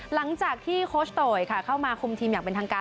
หลังจากที่โคชโตยค่ะเข้ามาคุมทีมอย่างเป็นทางการ